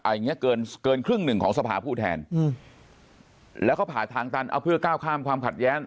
อย่างเงี้เกินเกินครึ่งหนึ่งของสภาผู้แทนอืมแล้วเขาผ่าทางตันเอาเพื่อก้าวข้ามความขัดแย้ง